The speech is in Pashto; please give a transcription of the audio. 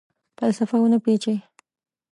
فلسفه ونه پیچي